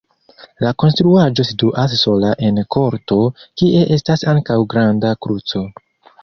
La konstruaĵo situas sola en korto, kie estas ankaŭ granda kruco.